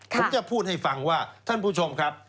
ผมจะพูดให้ฟังว่าท่านผู้ชมครับ